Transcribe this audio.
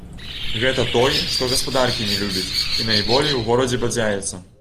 Гэта той, што гаспадаркі не любіць і найболей у горадзе бадзяецца.